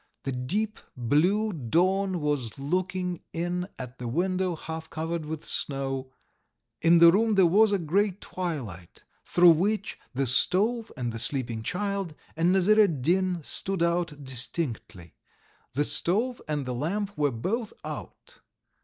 The deep blue dawn was looking in at the window half covered with snow. In the room there was a grey twilight, through which the stove and the sleeping child and Nasir ed Din stood out distinctly. The stove and the lamp were both out.